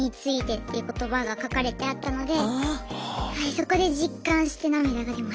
そこで実感して涙が出ました。